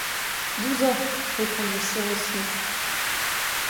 Douze ans! répondit Cyrus Smith.